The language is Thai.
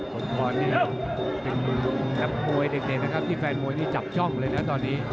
คนคอนนี่เป็นแบบมวยเด็ดที่แฟนมวยนี่จับช่องเลยนะตอนนี้